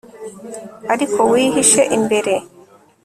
ariko wihishe imbere